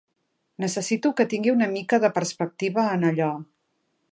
Necessito que tingui una mica de perspectiva en allò.